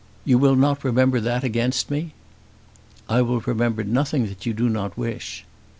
You will not remember that against me?" "I will remember nothing that you do not wish."